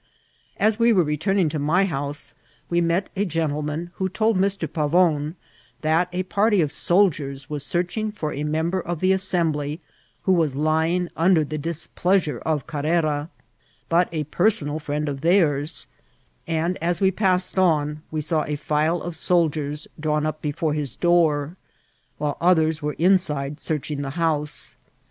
As we were returning to my house, we met a gen* tleman who told Mr. Pavon that a party of soldiers was searching for a member of the Assembly who was lying under the displeasure of Carrera, but a personal friend of theirs ; and as we passed on we saw a file of soldiers drawn up befcnre his door, while others were inside searching the house.